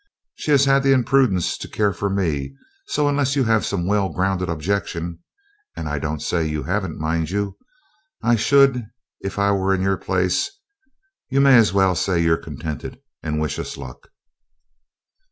She has had the imprudence to care for me; so, unless you have some well grounded objection and I don't say you haven't, mind you, I should if I were in your place you may as well say you're contented, and wish us luck!'